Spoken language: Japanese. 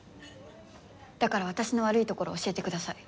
だから私の悪いところを教えてください。